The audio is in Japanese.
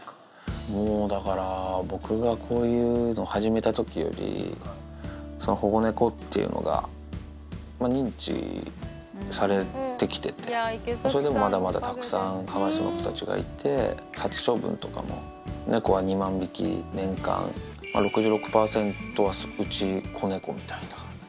もうだから、僕がこういうのを始めたときより、保護猫っていうのが認知されてきてて、それでもまだまだたくさんかわいそうな子たちがいて、殺処分とかも猫は２万匹、年間、６６％は、うち、子猫みたいな。